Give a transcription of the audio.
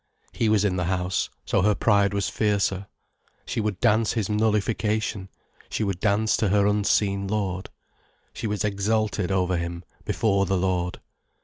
He was in the house, so her pride was fiercer. She would dance his nullification, she would dance to her unseen Lord. She was exalted over him, before the Lord.